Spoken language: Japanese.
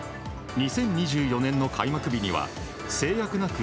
２０２４年の回復日には制約なく